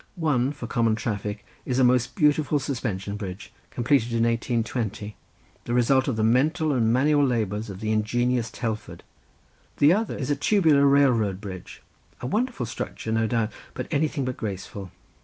One, for common traffic, is a most beautiful suspension bridge completed in 1820, the result of the mental and manual labours of the ingenious Telford; the other is a tubular railroad bridge, a wonderful structure, no doubt, but anything but graceful.